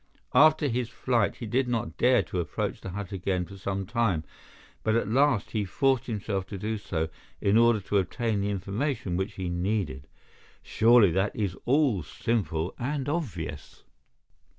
After his flight he did not dare to approach the hut again for some time, but at last he forced himself to do so in order to obtain the information which he needed. Surely that is all simple and obvious?"